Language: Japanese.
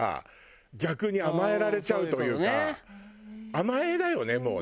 甘えだよねもうね。